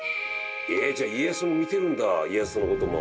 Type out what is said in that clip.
じゃあ家康も見てるんだ家康の事も。